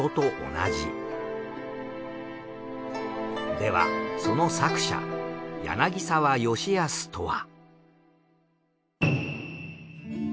ではその作者柳澤吉保とは。